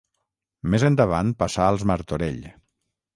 Més endavant passà als Martorell.